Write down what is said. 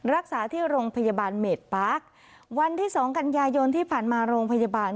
รักษาที่โรงพยาบาลเมดปาร์ควันที่สองกันยายนที่ผ่านมาโรงพยาบาล